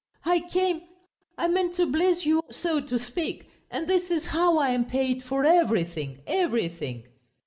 I came... I meant to bless you, so to speak. And this is how I am paid, for everything, everything!..."